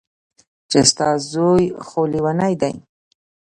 چې ستا زوى خو ليونۍ دى.